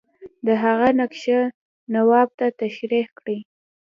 د هغه نقشه نواب ته تشریح کړي.